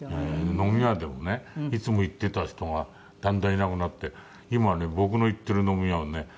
飲み屋でもねいつも行ってた人がだんだんいなくなって今ね僕の行ってる飲み屋はね